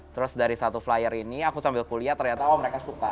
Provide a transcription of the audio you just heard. terus dari satu flyer ini aku sambil kuliah ternyata oh mereka suka